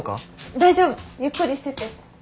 大丈夫ゆっくりしてて。